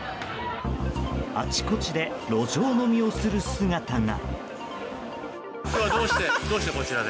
あちこちで路上飲みをする姿が。